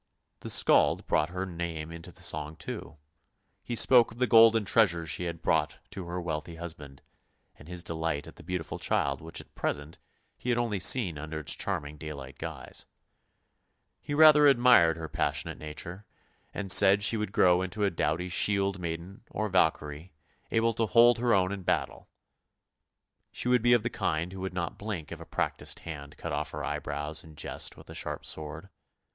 The Skald brought her name into the song too; he spoke of the golden treasure she had brought to her wealthy husband, and his delight at the beautiful child which at present 282 ANDERSEN'S FAIRY TALES he had only seen under its charming daylight guise. He rather admired her passionate nature, and said she would grow into a doughty shield maiden or Valkyrie, able to hold her own in battle. She would be of the kind who would not blink if a practised hand cut off her eyebrows in jest with a sharp sword.